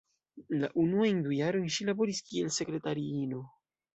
La unuajn du jarojn ŝi laboris kiel sekretariino.